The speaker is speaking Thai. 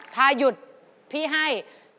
ถ้ายุดพี่ให้๑๗๕๐๐